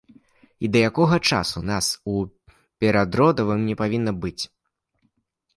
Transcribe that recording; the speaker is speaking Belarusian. І да якога часу нас у перадродавым не павінна быць.